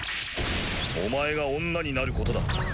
お前が女になることだ。